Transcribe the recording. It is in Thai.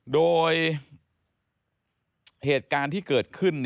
โดยเหตุการณ์ที่เกิดขึ้น